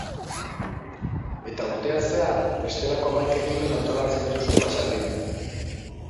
Eta urtean zehar, bestelako hamaika ekimen antolatzen dituzte baserrian.